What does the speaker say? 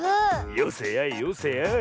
よせやいよせやい。